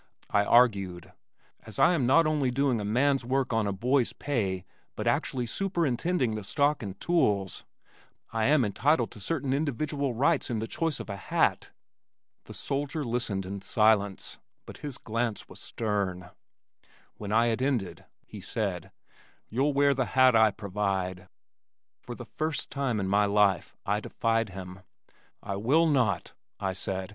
I argued, "As I am not only doing a man's work on a boy's pay but actually superintending the stock and tools, I am entitled to certain individual rights in the choice of a hat." The soldier listened in silence but his glance was stern. When I had ended he said, "You'll wear the hat I provide." For the first time in my life I defied him. "I will not," I said.